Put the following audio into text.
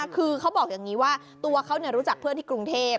คือเขาบอกอย่างนี้ว่าตัวเขารู้จักเพื่อนที่กรุงเทพ